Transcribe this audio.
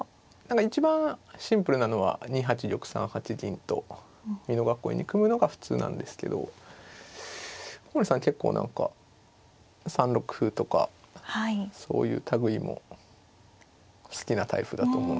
一番シンプルなのは２八玉３八銀と美濃囲いに組むのが普通なんですけど古森さん結構何か３六歩とかそういう類いも好きなタイプだと思うんで。